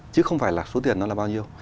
chứ không phải là số tiền nó là bao nhiêu